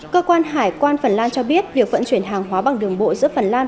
cơ quan hải quan phần lan cho biết việc vận chuyển hàng hóa bằng đường bộ giữa phần lan